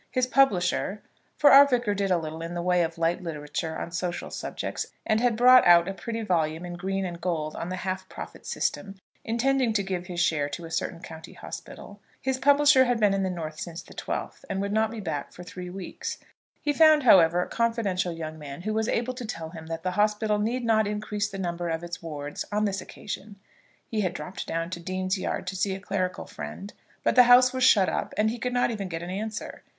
His publisher, for our Vicar did a little in the way of light literature on social subjects, and had brought out a pretty volume in green and gold on the half profit system, intending to give his share to a certain county hospital, his publisher had been in the north since the 12th, and would not be back for three weeks. He found, however, a confidential young man who was able to tell him that the hospital need not increase the number of its wards on this occasion. He had dropped down to Dean's Yard to see a clerical friend, but the house was shut up and he could not even get an answer.